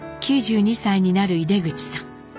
９２歳になる出口さん。